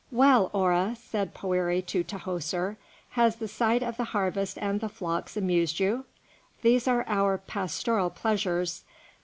"Well, Hora," said Poëri to Tahoser, "has the sight of the harvest and the flocks amused you? These are our pastoral pleasures.